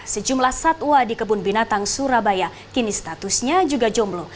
sejumlah satwa di kebun binatang surabaya kini statusnya juga jomblo